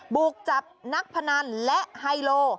บุกจับนักพนันและไฮโล